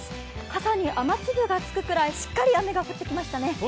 傘に雨粒がつくくらいしっかり雨が降ってきましたね。